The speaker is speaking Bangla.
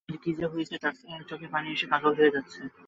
কিন্তু কী যে হয়েছে তার, চোখে পানি এসে কাজল ধুয়ে যাচ্ছে।